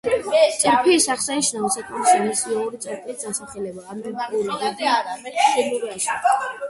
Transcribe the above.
წრფის აღსანიშნავად საკმარისია მისი ორი წერტილის დასახელება, ანუ ორი დიდი ლათინური ასო.